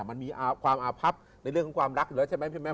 มันมีความอาภับในเรื่องของความรักเหรอใช่ไหมพี่แม่หมอ